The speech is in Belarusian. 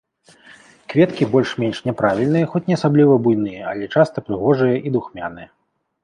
Кветкі больш-менш няправільныя, хоць не асабліва буйныя, але часта прыгожыя і духмяныя.